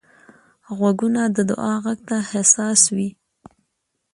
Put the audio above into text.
غوږونه د دعا غږ ته حساس وي